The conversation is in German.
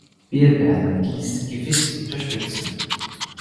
Wir werden dies gewiss unterstützen.